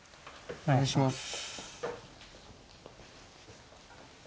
お願いします。